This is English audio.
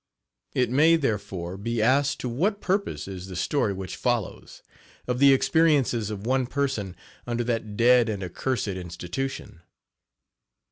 It may, therefore, be asked to what purpose is the story which follows, of the experiences of one person under that dead and accursed institution?